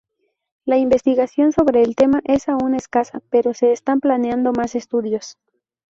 La investigación sobre el tema es aún escasa, pero se están planeando más estudios.